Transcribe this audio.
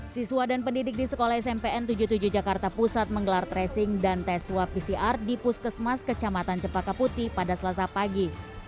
siswa dan pendidik di sekolah smpn tujuh puluh tujuh jakarta pusat menggelar tracing dan tes swab pcr di puskesmas kecamatan cepaka putih pada selasa pagi